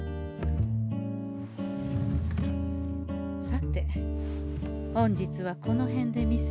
さて本日はこの辺で店じまい。